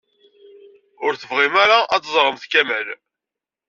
Ur tebɣimt ara ad teẓṛemt Kamal?